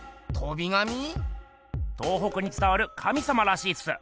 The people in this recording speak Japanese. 東北につたわる神様らしいっす。